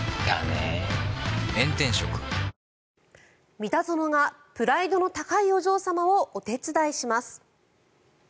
三田園がプライドの高いお嬢様をお手伝いします。